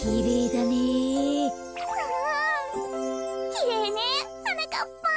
きれいねはなかっぱん。